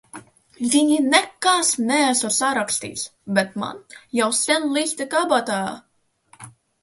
Viņai nekas neesot sarakstīts, bet man jau sen liste kabatā.